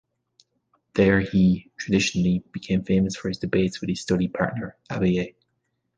There he, traditionally, became famous for his debates with his study-partner Abaye.